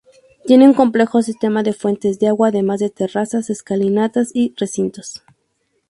Tiene un complejo sistema de fuentes de agua, además de terrazas, escalinatas y recintos.